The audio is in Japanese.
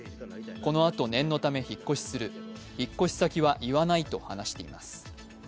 このあと念のため引っ越しする引っ越し先は言わないと話しています。